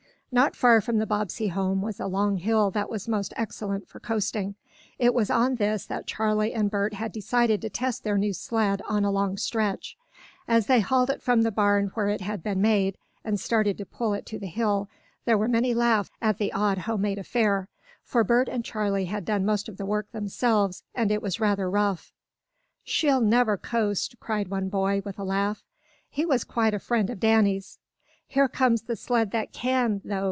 Not far from the Bobbsey home was a long hill that was most excellent for coasting. It was on this that Charley and Bert had decided to test their new sled on a long stretch. As they hauled it from the barn where it had been made, and started to pull it to the hill, there were many laughs at the odd homemade affair. For Bert and Charley had done most of the work themselves, and it was rather rough. "She'll never coast!" cried one boy, with a laugh. He was quite a friend of Danny's. "Here comes the sled that can, though!"